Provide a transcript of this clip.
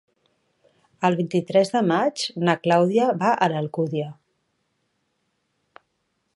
El vint-i-tres de maig na Clàudia va a l'Alcúdia.